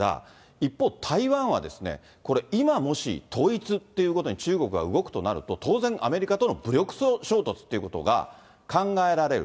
一方、台湾はですね、これ、今もし、統一っていうことに中国が動くとなると、当然、アメリカとの武力衝突っていうことが、考えられる。